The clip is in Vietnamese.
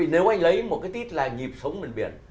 nếu anh lấy một cái tít là nhịp sống miền biển